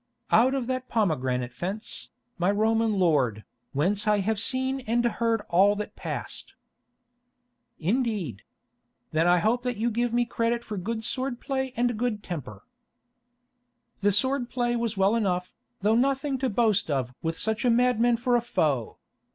"Out of that pomegranate fence, my Roman lord, whence I have seen and heard all that passed." "Indeed. Then I hope that you give me credit for good sword play and good temper." "The sword play was well enough, though nothing to boast of with such a madman for a foe.